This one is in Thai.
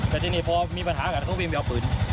แต่ทีนี้พอมีปัญหากันก็วิ่งไปเอาปืน